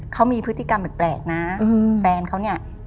เขามีพฤติกรรมแบกนะแฟนเขา